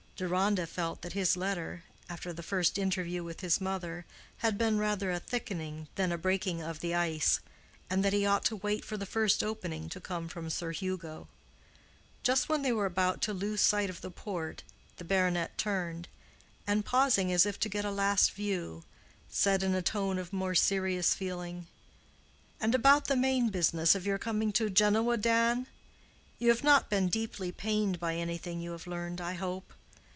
Deronda felt that his letter, after the first interview with his mother, had been rather a thickening than a breaking of the ice, and that he ought to wait for the first opening to come from Sir Hugo. Just when they were about to lose sight of the port, the baronet turned, and pausing as if to get a last view, said in a tone of more serious feeling—"And about the main business of your coming to Genoa, Dan? You have not been deeply pained by anything you have learned, I hope?